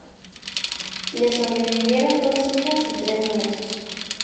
Le sobrevivieron dos hijas y tres nietos.